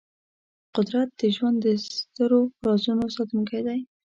قدرت د ژوند د سترو رازونو ساتونکی دی.